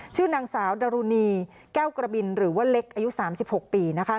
ชื่อนางสาวดรุณีแก้วกระบินหรือว่าเล็กอายุ๓๖ปีนะคะ